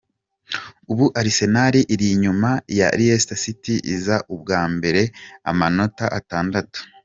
Ubu Arsenal iri inyuma ya Leicester iza ubwa mbere amanota atandatu.